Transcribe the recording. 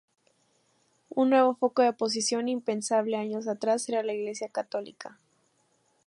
Un nuevo foco de oposición, impensable años atrás, era la Iglesia católica.